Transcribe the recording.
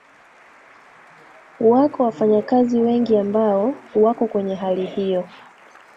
wako wafanyakazi wengi ambao wako kwenye hali hiyo